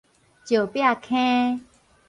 石壁坑